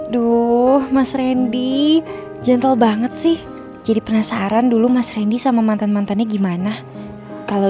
duh mas randy gentle banget sih jadi penasaran dulu mas randy sama mantan mantannya gimana kalau